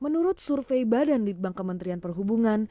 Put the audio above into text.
di jogja dan di bank kementerian perhubungan